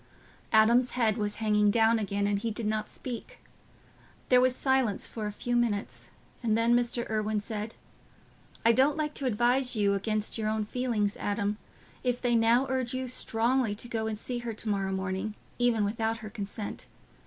'" Adam's head was hanging down again, and he did not speak. There was silence for a few minutes, and then Mr. Irwine said, "I don't like to advise you against your own feelings, Adam, if they now urge you strongly to go and see her to morrow morning, even without her consent.